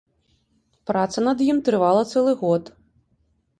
Праца над ім трывала цэлы год.